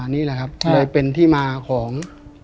นี่แหละครับเลยเป็นที่มาของ